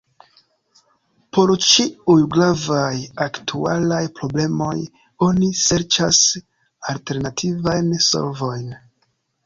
Por ĉiuj gravaj aktualaj problemoj oni serĉas alternativajn solvojn.